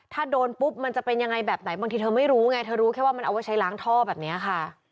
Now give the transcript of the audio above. ถ้าโดนปุ๊บมันจะเป็นยังไงแบบไหนบางทีเธอไม่รู้ไงเธอรู้แค่ว่ามันเอาไว้ใช้ล้างท่อแบบนี้ค่ะ